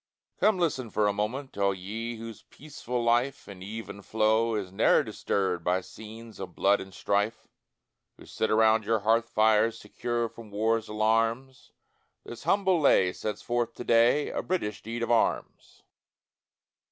Come listen for a moment, All ye, whose peaceful life In even flow is ne'er disturbed By scenes of blood and strife; Who sit around your hearth fires, Secure from war's alarms; This humble lay sets forth to day A British deed of arms.